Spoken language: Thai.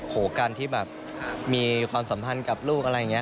การที่แบบมีความสัมพันธ์กับลูกอะไรอย่างนี้